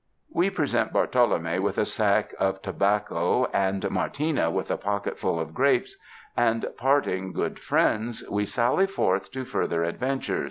We present Bartolome with a sack of to))acco and Martina with a pocketful of grapes, and, parting good friends, we sally forth to further adventure.